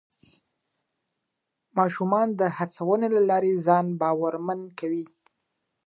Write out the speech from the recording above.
ماشومان د هڅونې له لارې ځان باورمن کوي